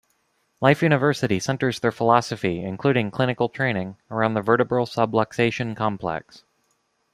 Life University centers their philosophy, including clinical training, around the vertebral subluxation complex.